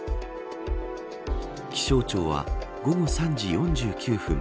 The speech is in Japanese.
気象庁は午後３時４９分